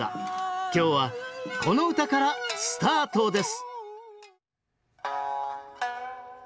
今日はこの唄からスタートです